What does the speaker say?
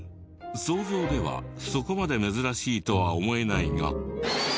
想像ではそこまで珍しいとは思えないが。